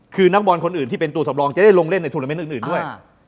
คือนักบอลคนอื่นที่เป็นตัวสำรองจะได้ลงเล่นในทวนาเมนต์อื่นด้วย